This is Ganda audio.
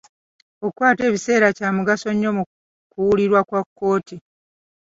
Okwata ebiseera kya mugaso nnyo mu kuwulirwa kwa kkooti.